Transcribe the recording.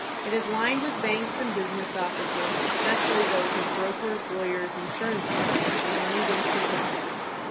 It is lined with banks and business offices, especially those of brokers, lawyers, insurance companies, and moneyed institutions.